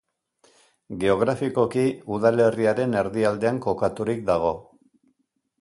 Geografikoki udalerriaren erdialdean kokaturik dago.